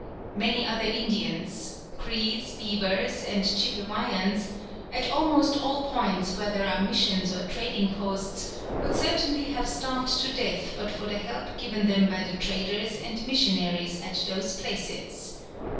Many other Indians Crees, Beavers, and Chippewyans at almost all points where there are missions or trading posts, would certainly have starved to death but for the help given them by the traders and missionaries at those places.